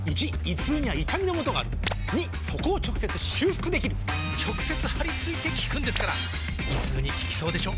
①胃痛には痛みのもとがある②そこを直接修復できる直接貼り付いて効くんですから胃痛に効きそうでしょ？